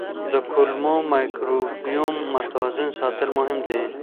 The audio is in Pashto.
د کولمو مایکروبیوم متوازن ساتل مهم دي.